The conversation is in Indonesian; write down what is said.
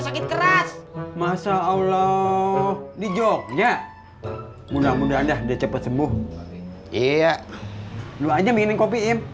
sakit keras masa allah di joknya mudah mudahan deh cepet sembuh iya lu aja bikinin kopi im